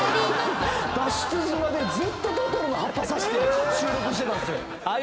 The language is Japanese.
脱出島でずっとトトロの葉っぱ差して収録してたんすよ。